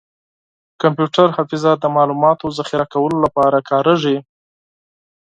کمپیوټر حافظه د معلوماتو ذخیره کولو لپاره کارېږي.